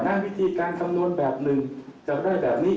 น่าวิธีการคำนวณแบบนึงจะได้แบบนี้